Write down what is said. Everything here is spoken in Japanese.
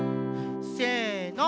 せの！